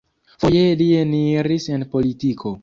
Foje li eniris en politiko.